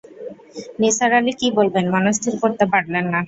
নিসার আলি কী বলবেন মনস্থির করতে পারলেন না।